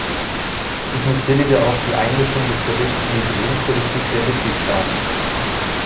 Ich missbillige auch die Einmischung des Berichts in die Drogenpolitik der Mitgliedstaaten.